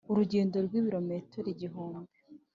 urugendo rw'ibirometero igihumbi